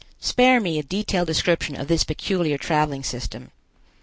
Spare me a detailed description of this peculiar traveling system.